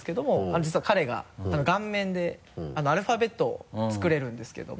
実は彼が顔面でアルファベットを作れるんですけども。